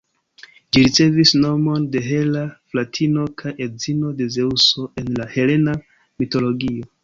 Ĝi ricevis nomon de Hera, fratino kaj edzino de Zeŭso en la helena mitologio.